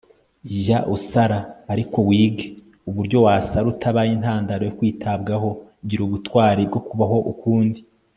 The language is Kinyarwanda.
jya usara! ariko wige uburyo wasara utabaye intandaro yo kwitabwaho gira ubutwari bwo kubaho ukundi